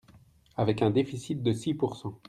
Avec un déficit de six pourcent